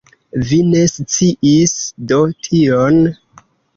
Vi ne sciis do tion?